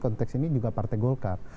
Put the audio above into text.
konteks ini juga partai golkar